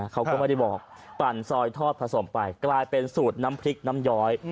เขาก็ไม่ได้บอกปั่นซอยทอดผสมไปกลายเป็นสูตรน้ำพริกน้ำย้อย